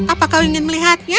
apa kau ingin melihatnya